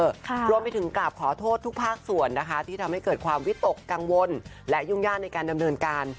ค่ะรวมไปถึงกราบขอโทษทุกภาคส่วนนะคะที่ทำให้เกิดความวิตกกังวลและยุ่งยากในการดำเนินการ